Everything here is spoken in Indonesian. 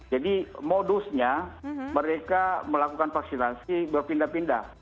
jadi modusnya mereka melakukan vaksinasi berpindah pindah